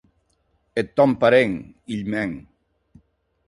Eth tòn parent, hilh mèn.